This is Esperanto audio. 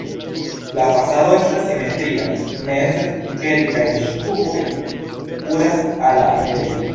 La fasado estas simetria, meze kelkaj ŝtupoj kuras al la enirejo.